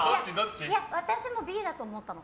私もＢだと思ったの。